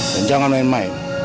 dan jangan main main